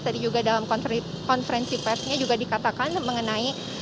tadi juga dalam konferensi persnya juga dikatakan mengenai